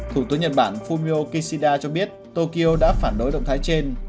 thủ tướng nhật bản fumio kishida cho biết tokyo đã phản đối động thái trên